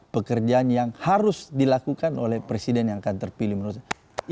pekerjaan yang harus dilakukan oleh presiden yang akan terpilih menurut saya